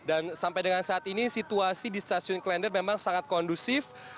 dan sampai dengan saat ini situasi di stasiun klender memang sangat kondusif